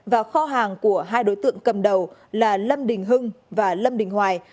và kho hàng của hai đối tượng cầm đầu là lâm đình hưng và lâm đình hoài